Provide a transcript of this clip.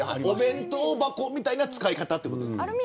お弁当箱みたいな使い方ってことですか。